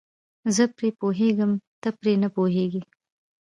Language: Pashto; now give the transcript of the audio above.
زه پرې پوهېږم ته پرې نه پوهیږې.